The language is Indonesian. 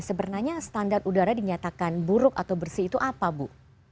sebenarnya standar udara dinyatakan buruk atau bersih itu apa bu